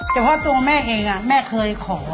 แต่ว่าตัวแม่เองแม่เคยขอ